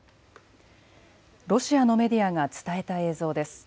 ロシアのメディアが伝えた映像です。